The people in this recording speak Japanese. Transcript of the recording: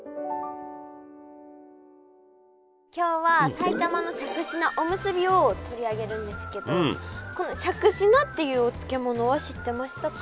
今日は埼玉のしゃくし菜おむすびを取り上げるんですけどこのしゃくし菜っていうお漬物は知ってましたか？